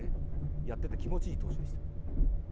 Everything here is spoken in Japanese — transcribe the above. やっていて気持ちいい投手でした。